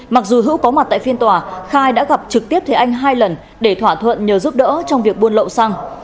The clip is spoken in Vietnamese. mặc dù hữu có mặt tại phiên tòa khai đã gặp trực tiếp thế anh hai lần để thỏa thuận nhờ giúp đỡ trong việc buôn lậu xăng